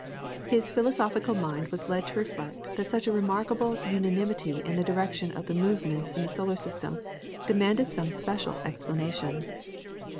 His philosophical mind was led to reflect that such a remarkable unanimity in the direction of the movements in the solar system demanded some special explanation.